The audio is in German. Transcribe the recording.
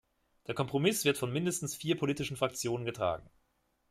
Der Kompromiss wird von mindestens vier politischen Fraktionen getragen.